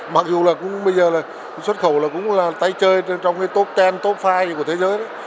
mặc dù là bây giờ là xuất khẩu là cũng là tay chơi trong cái top một mươi top năm của thế giới